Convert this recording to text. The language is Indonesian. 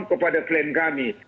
kepada klien kami